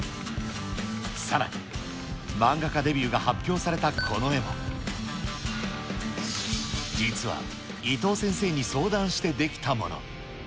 さらに、漫画家デビューが発表されたこの絵も、実は伊藤先生に相談して出来たもの。